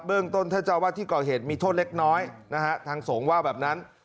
เรื่องต้นท่านเจ้าวาดที่ก่อเหตุมีโทษเล็กน้อยนะฮะทางสงฆ์ว่าแบบนั้น